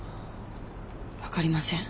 分かりません。